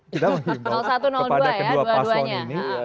kita menghimbau kepada kedua paswon ini